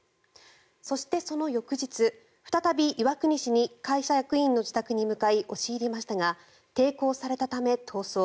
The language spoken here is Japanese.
そしてその翌日再び岩国市に会社役員の自宅に向かい押し入りましたが抵抗されたため逃走。